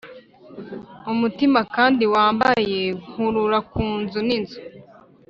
umutima kandi wambaye nkurura ku nzu n'inzu.